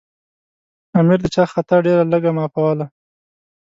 امیر د چا خطا ډېره لږه معافوله.